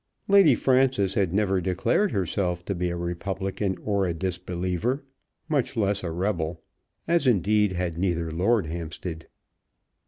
Lady Frances had never declared herself to be a Republican or a disbeliever, much less a rebel, as, indeed, had neither Lord Hampstead.